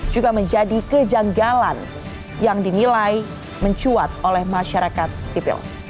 juga menjadi kejanggalan yang dinilai mencuat oleh masyarakat sipil